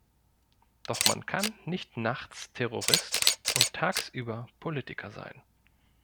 Doch man kann nicht nachts Terrorist und tagsüber Politiker sein.